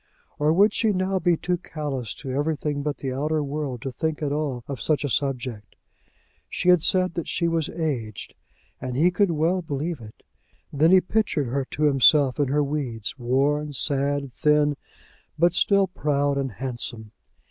Or would she now be too callous to everything but the outer world to think at all of such a subject? She had said that she was aged, and he could well believe it. Then he pictured her to himself in her weeds, worn, sad, thin, but still proud and handsome.